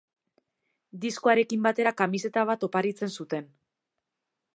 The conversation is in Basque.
Diskoarekin batera kamiseta bat oparitzen zuten.